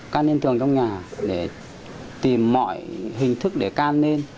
can lên tường trong nhà để tìm mọi hình thức để can lên